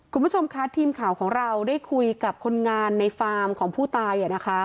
คุณผู้ชมคะทีมข่าวของเราได้คุยกับคนงานในฟาร์มของผู้ตาย